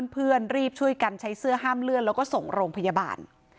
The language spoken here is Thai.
เพื่อนรีบช่วยกันใช้เสื้อห้ามเลือดแล้วก็ส่งโรงพยาบาล